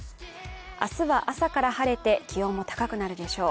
明日は朝から晴れて、気温も高くなるでしょう。